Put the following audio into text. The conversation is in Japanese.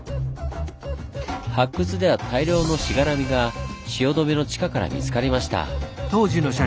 発掘では大量の柵が汐留の地下から見つかりました。